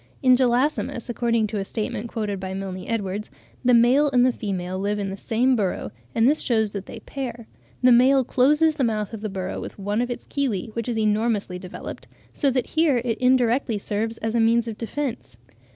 In Gelasimus, according to a statement quoted by Milne Edwards (11. 'Hist. Nat. des Crust.' tom. ii. 1837, p. 50.), the male and the female live in the same burrow, and this shews that they pair; the male closes the mouth of the burrow with one of its chelae, which is enormously developed; so that here it indirectly serves as a means of defence.